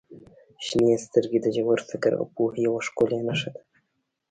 • شنې سترګې د ژور فکر او پوهې یوه ښکلې نښه دي.